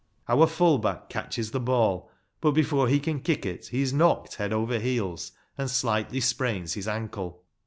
Our full back catches the ball, but before he can kick it he is knocked head over heels, and slightly sprains his ankle.